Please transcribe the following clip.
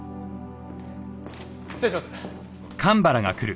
失礼します。